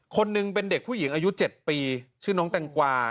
คนหนึ่งเป็นเด็กผู้หญิงอายุ๗ปีชื่อน้องแตงกวา